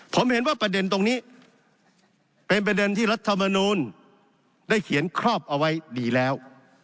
ผมเห็นว่าประเด็นตรงนี้เป็นประเด็นที่รัฐมนูลได้เขียนครอบเอาไว้ดีแล้ว